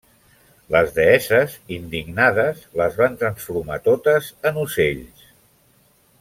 Les deesses, indignades, les van transformar totes en ocells.